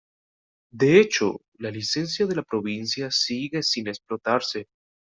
De hecho, la licencia de La Provincia sigue sin explotarse.